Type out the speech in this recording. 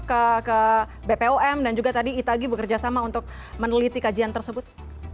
ke bpom dan juga tadi itagi bekerjasama untuk meneliti kajian tersebut